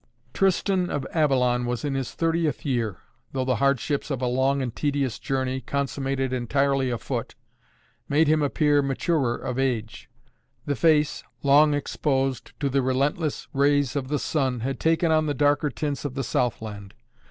Tristan of Avalon was in his thirtieth year, though the hardships of a long and tedious journey, consummated entirely afoot, made him appear of maturer age. The face, long exposed to the relentless rays of the sun, had taken on the darker tints of the Southland.